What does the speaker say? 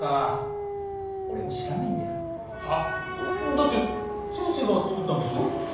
だって先生が作ったんでしょ？